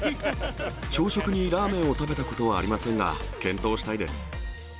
朝食にラーメンを食べたことはありませんが、検討したいです。